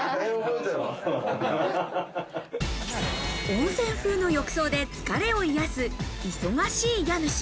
温泉風の浴槽で疲れを癒す忙しい家主。